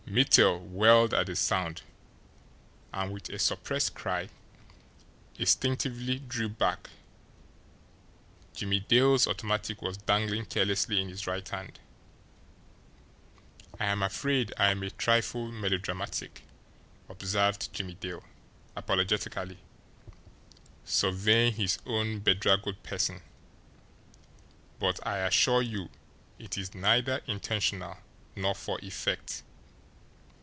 Mittel whirled at the sound, and, with a suppressed cry, instinctively drew back Jimmie Dale's automatic was dangling carelessly in his right hand. "I am afraid I am a trifle melodramatic," observed Jimmie Dale apologetically, surveying his own bedraggled person; "but I assure you it is neither intentional nor for effect.